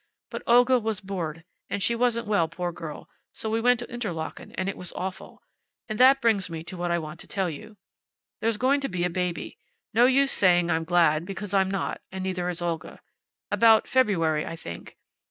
But Olga was bored, and she wasn't well, poor girl, so we went to Interlaken and it was awful. And that brings me to what I want to tell you. "There's going to be a baby. No use saying I'm glad, because I'm not, and neither is Olga. About February, I think.